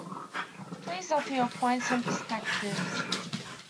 Please offer your points and perspectives.